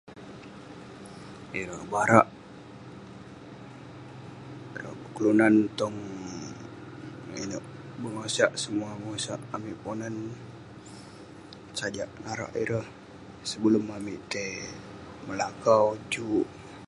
Ireh barak, ireh kelunan tong um ineuk, bengosak semua bengosak amik ponan, sajak narak ireh sebelum amik tai melakau juk.